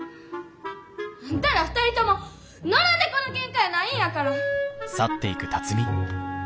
あんたら２人とも野良猫のケンカやないんやから！